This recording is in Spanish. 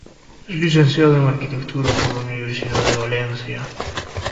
Es Licenciado en Arquitectura por la Universidad de Valencia.